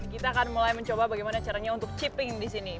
kita akan mulai mencoba bagaimana caranya untuk chipping di sini